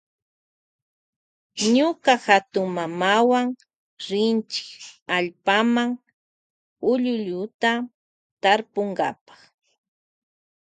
Ñuka hatunmamawa rinchi allpama ullulluta tarpunkapa.